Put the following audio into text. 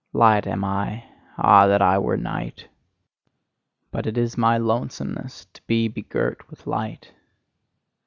Light am I: ah, that I were night! But it is my lonesomeness to be begirt with light!